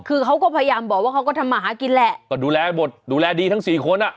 คือเขาก็พยายามบอกว่าเขาก็ทำมาหากินแหละก็ดูแลหมดดูแลดีทั้งสี่คนอ่ะ